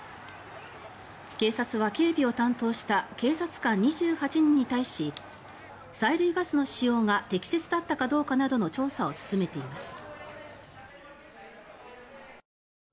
警察は警備を担当した警察官２８人に対し催涙ガスの使用が適切だったかどうかなどの調査を進めています。